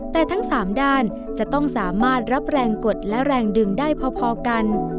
แต่ทั้ง๓ด้านจะต้องสามารถรับแรงกดและแรงดึงได้พอกัน